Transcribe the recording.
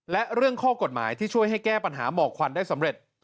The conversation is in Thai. และเรื่องข้อกฎหมายที่ช่วยให้แก้ปัญหาหมอกควันได้สำเร็จ